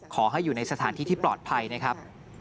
ขอให้อยู่ในสถานที่ที่ปลอดภัยนะครับ